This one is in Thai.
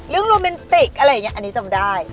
โรแมนติกอะไรอย่างนี้อันนี้จำได้